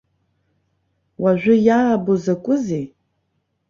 Уажәы иаабо закәызеи?!